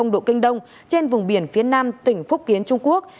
một trăm một mươi bảy độ kinh đông trên vùng biển phía nam tỉnh phúc kiến trung quốc